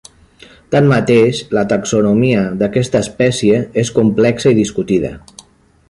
Tanmateix, la taxonomia d'aquesta espècie és complexa i discutida.